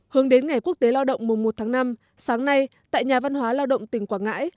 hướng đến ngày quốc tế lao động mùa một tháng năm sáng nay tại nhà văn hóa lao động tỉnh quảng ngãi